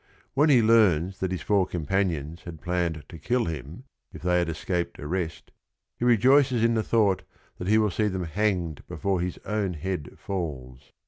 When he learns that his four companions had planned to kill him if they had escaped arrest, he rejoices in the thought that he will see them hanged before his own "head falls."